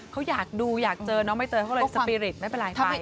เขาอยากดูอยากเจอน้องใบเตยเขาเลยสปีริตไม่เป็นไรไป